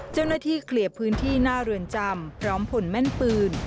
เจ้าหน้าที่เคลียร์พื้นที่หน้าเรือนจำพร้อมผลแม่นปืน